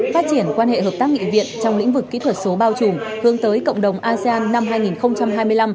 phát triển quan hệ hợp tác nghị viện trong lĩnh vực kỹ thuật số bao trùm hướng tới cộng đồng asean năm hai nghìn hai mươi năm